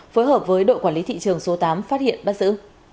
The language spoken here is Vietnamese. phối hợp với đội quản lý thị trường số tám phát hiện bắt giữ